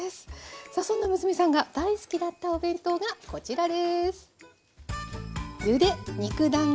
さあそんな娘さんが大好きだったお弁当がこちらです。